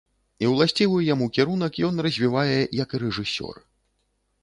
І ўласцівы яму кірунак ён развівае як і рэжысёр.